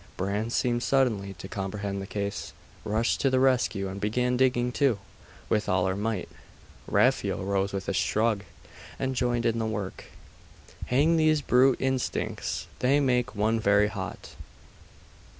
Bran seemed suddenly to comprehend the case, rushed to the rescue, and began digging too, with all her might. Raphael rose with a shrug, and joined in the work. ............... 'Hang these brute instincts! They make one very hot.